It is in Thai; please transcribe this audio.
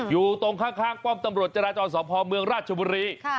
อยู่ตรงข้างป้อมตำรวจจราจรสพเมืองราชบุรี